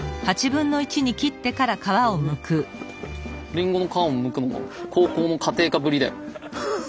リンゴの皮むくのも高校の家庭科ぶりだよ。